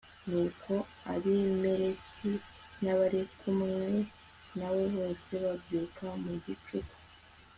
nuko abimeleki n'abari kumwe na we bose babyuka mu gicuku